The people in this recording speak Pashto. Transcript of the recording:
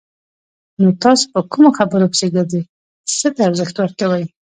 نو تاسو په کومو خبرو پسې ګرځئ! څه ته ارزښت ورکوئ؟